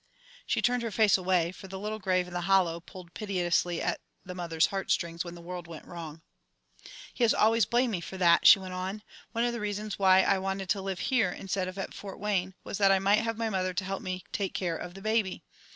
She turned her face away, for the little grave in the hollow pulled piteously at the mother's heartstrings when the world went wrong. "He has always blamed me for that," she went on. "One of the reasons why I wanted to live here, instead of at Fort Wayne, was that I might have my mother to help me take care of the baby.